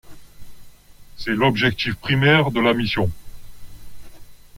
C'est l'objectif primaire de la mission.